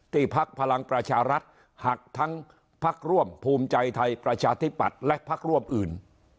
พักพลังประชารัฐหักทั้งพักร่วมภูมิใจไทยประชาธิปัตย์และพักร่วมอื่น